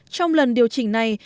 trong lần điều chỉnh này